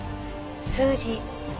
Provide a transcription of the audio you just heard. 数字？